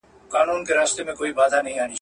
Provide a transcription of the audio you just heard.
څنګ ته د میخورو به د بنګ خبري نه کوو.